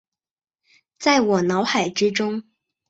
在我脑海之中